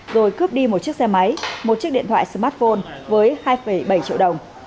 rồi cướp đi một chiếc xe máy một chiếc điện thoại smartphone với hai bảy triệu đồng